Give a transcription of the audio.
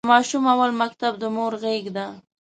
د ماشوم اول مکتب د مور غېږ ده.